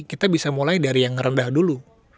kita bisa mulai dari yang rendah dulu